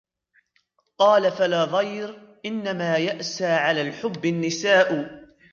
قَالَ فَلَا ضَيْرَ ، إنَّمَا يَأْسَى عَلَى الْحُبِّ النِّسَاءُ